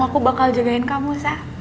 aku bakal jagain kamu sah